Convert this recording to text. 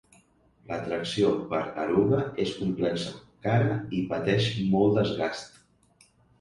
La tracció per eruga és complexa, cara i pateix molt desgast.